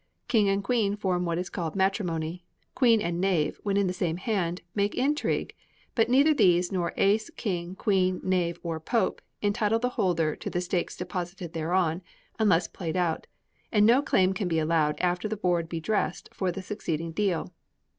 King and Queen form what is called matrimony; queen and knave, when in the same hand, make intrigue; but neither these nor ace, king, queen, knave, or pope, entitle the holder to the stakes deposited thereon, unless played out; and no claim can be allowed after the board be dressed for the succeeding deal.